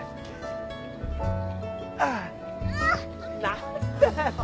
何だよ。